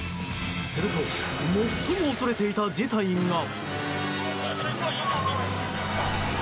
すると、最も恐れていた事態が。